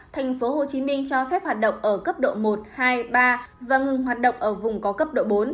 tp hcm cho phép hoạt động ở cấp độ một hai ba và ngừng hoạt động ở vùng có cấp độ bốn